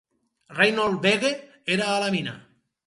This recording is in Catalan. Reinhold Weege era a la mina.